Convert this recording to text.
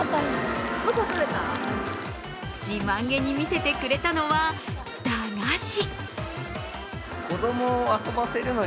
自慢げに見せてくれたのは駄菓子。